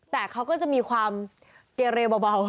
แต่เขาก็จะมีความเกเรเบา